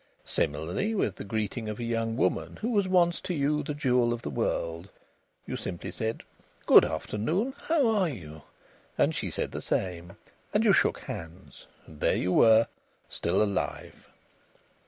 Similarly with the greeting of a young woman who was once to you the jewel of the world. You simply said, "Good afternoon, how are you?" And she said the same. And you shook hands. And there you were, still alive!